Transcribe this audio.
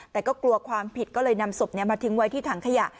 แต่ก็กลัวความผิดก็เลยนำศพนี้มาทิ้งไว้ที่ถังขยะ